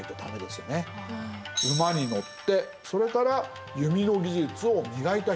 馬に乗ってそれから弓の技術を磨いた人